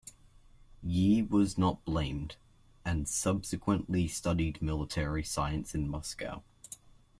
Ye was not blamed, and subsequently studied military science in Moscow.